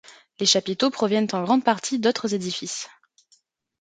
Les chapiteaux proviennent en grande partie d’autres édifices.